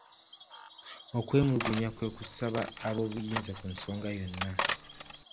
Okwemulugunya kwe kusaba ab'obuyinza ku nsonga yonna.